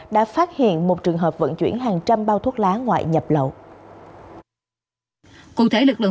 đã phát hiện một trường hợp vận chuyển hàng trăm bao thuốc lá ngoại nhập lậu